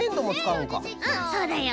うんそうだよ。